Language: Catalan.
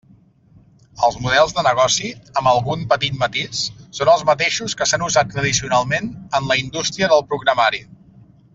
Els models de negoci, amb algun petit matís, són els mateixos que s'han usat tradicionalment en la indústria del programari.